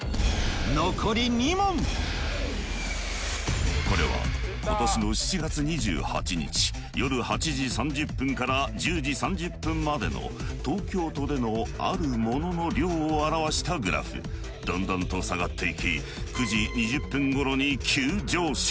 残り２問これは今年の７月２８日夜８時３０分から１０時３０分までの東京都でのあるものの量を表したグラフどんどんと下がって行き９時２０分頃に急上昇